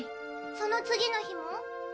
その次の日も？